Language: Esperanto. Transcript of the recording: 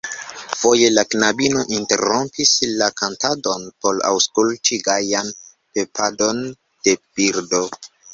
Foje la knabino interrompis la kantadon por aŭskulti gajan pepadon de birdo.